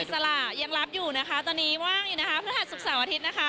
สละยังรับอยู่นะคะตอนนี้ว่างอยู่นะคะพฤหัสศุกร์เสาร์อาทิตย์นะคะ